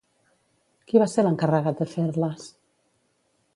Qui va ser l'encarregat de fer-les?